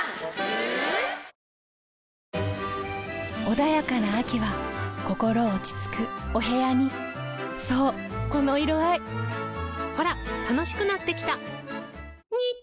穏やかな秋は心落ち着くお部屋にそうこの色合いほら楽しくなってきた！